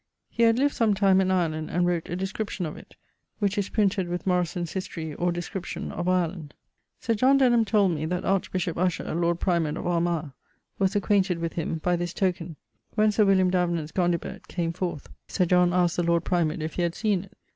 He had lived some time in Ireland, and wrote a description of it, which is printed with Morison's History, or Description, of Ireland. Sir John Denham told me, that archbishop Usher, Lord Primate of Armagh, was acquainted with him, by this token: when Sir William Davenant's Gondibert came forth, Sir John askt the Lord Primate if he had seen it.